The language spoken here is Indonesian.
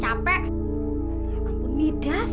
ya ampun midas